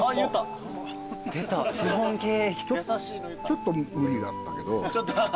ちょっと無理があったけど。